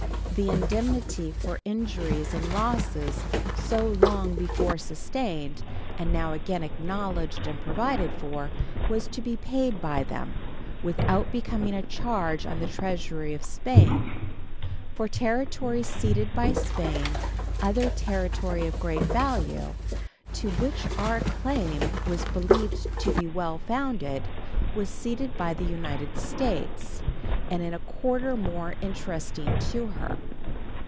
The indemnity for injuries and losses so long before sustained, and now again acknowledged and provided for, was to be paid by them without becoming a charge on the treasury of Spain. For territory ceded by Spain other territory of great value, to which our claim was believed to be well founded, was ceded by the United States, and in a quarter more interesting to her.